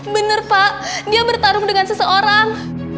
bener pak dia bertarung dengan seseorang